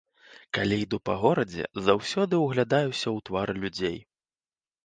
Калі іду па горадзе, заўсёды ўглядаюся ў твары людзей.